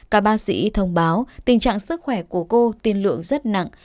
các bác sĩ thông báo tình trạng sức khỏe của cô tiên lượng rất nặng